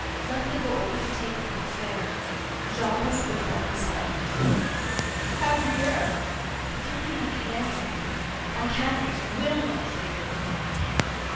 JULIE. Nothing but what we can take in the coupé. [Jean has picked up his hat.] JEAN. What have you there? JULIE. It's only my canary. I cannot, will not, leave it behind. JEAN.